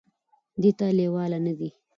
دې ته لېواله نه دي ،